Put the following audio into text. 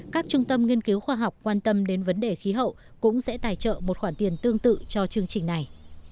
các trung tâm nghiên cứu khoa học quan tâm đến vấn đề khí hậu cũng sẽ tài trợ một khoản tiền tương tự cho chương trình này